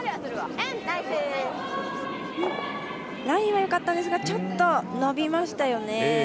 ラインはよかったんですがちょっと伸びましたよね。